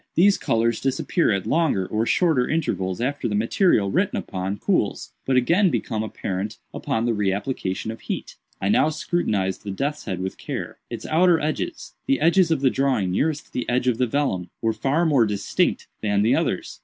These colors disappear at longer or shorter intervals after the material written upon cools, but again become apparent upon the re application of heat. "I now scrutinized the death's head with care. Its outer edges—the edges of the drawing nearest the edge of the vellum—were far more distinct than the others.